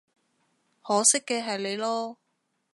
可惜嘅係你囉